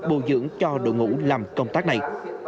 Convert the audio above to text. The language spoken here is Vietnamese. bù dưỡng cho đội ngũ làm công tác này